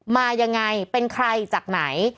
มายังไงเป็นใครจากไหน